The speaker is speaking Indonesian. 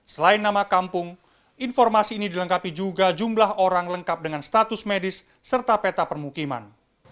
selain nama kampung informasi ini dilengkapi juga jumlah orang lengkap dengan status medis serta peta permukiman